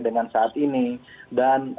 dengan saat ini dan